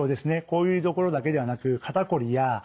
こういう所だけではなく肩こりや目の疲れ